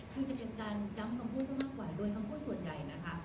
คือจะเป็นการย้ำคำพูดซะมากกว่าโดยคำพูดส่วนใหญ่นะคะ